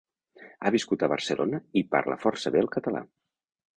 Ha viscut a Barcelona i parla força bé el català.